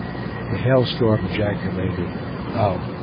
The Hail Storm ejaculated "How!"